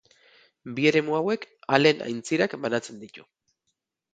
Bi eremu hauek Allen aintzirak banatzen ditu.